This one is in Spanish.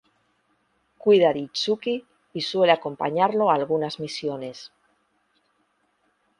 Cuida de Itsuki y suele acompañarlo a algunas misiones.